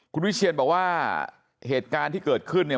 คุณวิเชียนบอกว่าเหตุการณ์ที่เกิดขึ้นเนี่ย